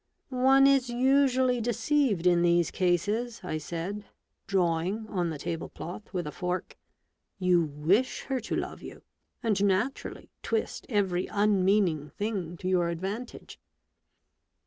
" One is usually deceived in these cases," I said, drawing on the table cloth with a fork. "You wish her to love you, and naturally twist every unmeaning thing to your advantage."